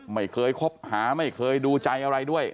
ไม่เคยคบหาไม่เคยดูใจอะไรด้วย